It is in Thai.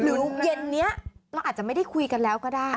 หรือเย็นนี้เราอาจจะไม่ได้คุยกันแล้วก็ได้